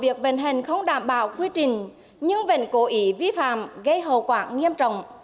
việc vận hành không đảm bảo quy trình nhưng vẫn cố ý vi phạm gây hậu quả nghiêm trọng